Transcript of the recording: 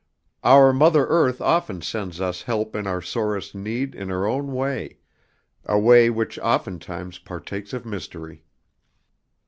Our Mother Earth often sends us help in our sorest need in her own way, a way which oftentimes partakes of mystery.